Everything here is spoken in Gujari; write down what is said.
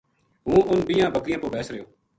ہوں اُن بیہاں بکریاں پو بیس رِہیو